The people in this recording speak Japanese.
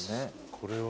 これは？